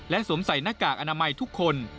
สวมใส่หน้ากากอนามัยทุกคน